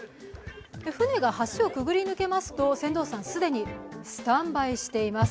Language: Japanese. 船が橋をくぐり抜けますと船頭さん、既にスタンバイしています。